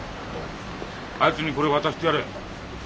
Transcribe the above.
あいつにこれ渡してやれ。